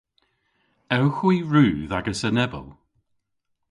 Ewgh hwi rudh agas enebow?